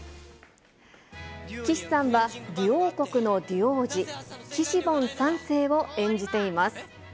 岸さんはデュ王国のデュ王子、キシボン３世を演じています。